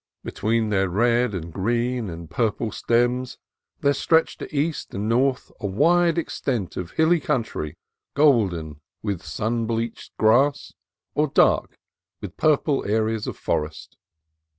Between their red and green and purple stems there stretched to east and north a wide extent of hilly country golden with sun bleached grass or dark with purple areas of forest.